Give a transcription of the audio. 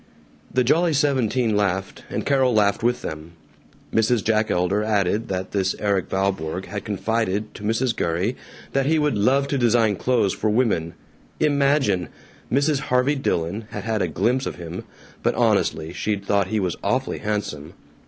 The Jolly Seventeen laughed, and Carol laughed with them. Mrs. Jack Elder added that this Erik Valborg had confided to Mrs. Gurrey that he would "love to design clothes for women." Imagine! Mrs. Harvey Dillon had had a glimpse of him, but honestly, she'd thought he was awfully handsome.